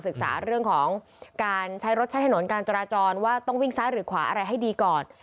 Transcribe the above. ศึกษาเรื่องของการใช้รถใช้ถนนการจราจรว่าต้องวิ่งซ้ายหรือขวาอะไรให้ดีก่อน